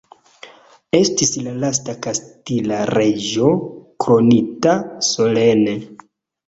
Estis la lasta kastilia reĝo kronita solene.